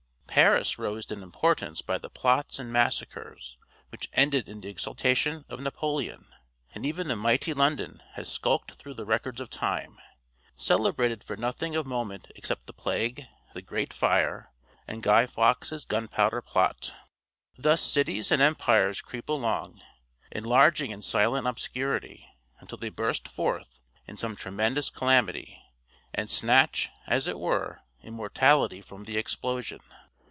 Paris rose in importance by the plots and massacres which ended in the exaltation of Napoleon; and even the mighty London has skulked through the records of time, celebrated for nothing of moment excepting the Plague, the Great Fire, and Guy Faux's Gunpowder Plot! Thus cities and empires creep along, enlarging in silent obscurity, until they burst forth in some tremendous calamity, and snatch, as it were, immortality from the explosion.